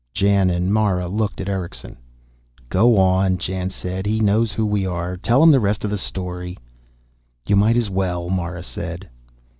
Jan and Mara looked at Erickson. "Go on," Jan said. "He knows who we are. Tell him the rest of the story." "You might as well," Mara said.